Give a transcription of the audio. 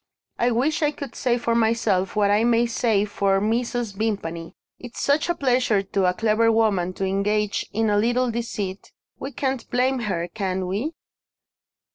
I wish I could say for myself what I may say for Mrs. Vimpany. It's such a pleasure to a clever woman to engage in a little deceit we can't blame her, can we?"